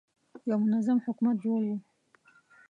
یو منظم حکومت جوړوو.